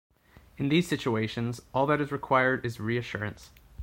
In these situations, all that is required is re-assurance.